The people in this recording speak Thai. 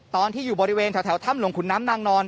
ตอนที่อยู่บริเวณแถวทำหลวงขุนน้ำนางนอน